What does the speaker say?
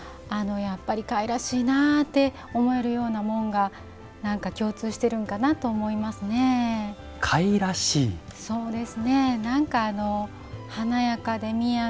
かいらしいなって思えるようなもんが共通してるんかなと思いますね。